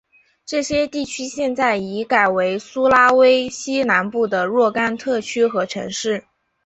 这些地区现在已改为苏拉威西南部的若干特区和城市。